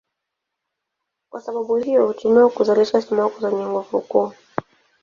Kwa sababu hiyo hutumiwa kuzalisha sumaku zenye nguvu kuu.